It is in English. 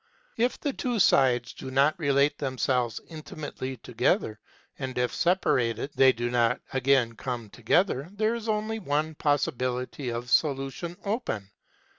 If the two sides do not relate themselves intimately together, and, if separated, they do not again come together there is only one possibility of solution open, viz.